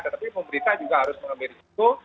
tetapi pemerintah juga harus mengembir risiko